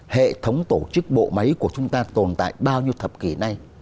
hệ thống tổ chức bộ máy của chúng ta tồn tại bao nhiêu thập kỷ nay